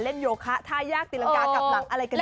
เล่นโยคะท่ายากตีลังกาลกับหลักอะไรกันไป